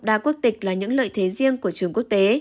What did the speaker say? đa quốc tịch là những lợi thế riêng của trường quốc tế